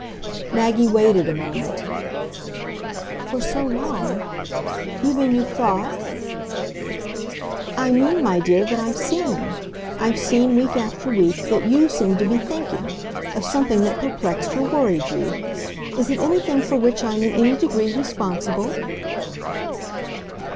Maggie waited a moment. "For so long? You mean you've thought ?" "I mean, my dear, that I've seen. I've seen, week after week, that YOU seemed to be thinking of something that perplexed or worried you. Is it anything for which I'm in any degree responsible?"